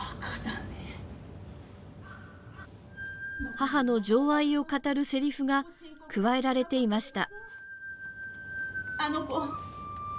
母の情愛を語るせりふが加えられていました。